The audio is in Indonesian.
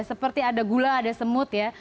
seperti ada gula ada semut ya